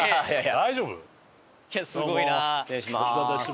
大丈夫？